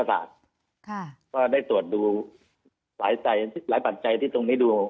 ก็ได้ตรวจดูหลายปัจจัยที่ตรงนี้ดู